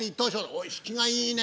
おい引きがいいね！